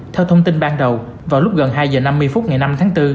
theo thông tin ban đầu vào lúc gần hai h năm mươi phút ngày năm tháng bốn